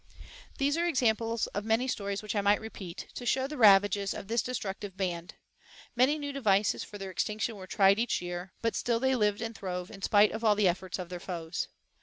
These are examples of many stories which I might repeat, to show the ravages of this destructive band. Many new devices for their extinction were tried each year, but still they lived and throve in spite of all the efforts of their foes.